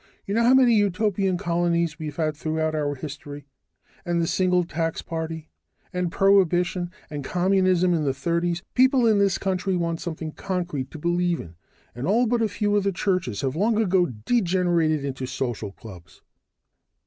You know how many utopian colonies we've had throughout our history? And the single tax party, and prohibition, and communism in the thirties. People in this country want something concrete to believe in, and all but a few of the churches have long ago degenerated into social clubs."